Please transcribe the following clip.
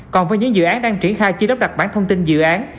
còn với những dự án đang triển khai chỉ lắp đặt bản thông tin dự án